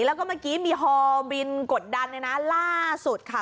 แล้วก็เมื่อกี้มีฮอลบินกดดันเลยนะล่าสุดค่ะ